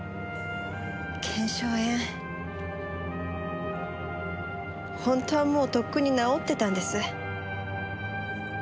腱鞘炎本当はもうとっくに治ってたんです。